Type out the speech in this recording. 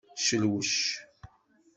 Celwec.